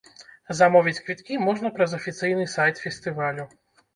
Замовіць квіткі можна праз афіцыйны сайт фестывалю.